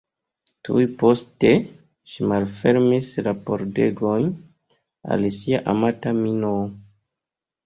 Tuj poste, ŝi malfermis la pordegojn al sia amata Minoo.